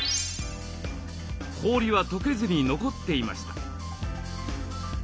氷はとけずに残っていました。